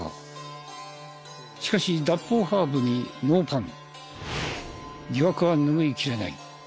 しかし脱法ハーブにノーパン疑惑は拭いきれない。